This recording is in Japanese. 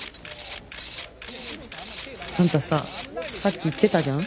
あんたささっき言ってたじゃん。